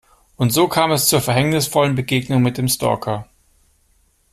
Und so kam es zur verhängnisvollen Begegnung mit dem Stalker.